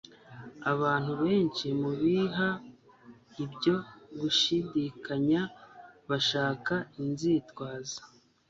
Abantu benshi mu biha ibyo gushidikanya bashaka inzitwazo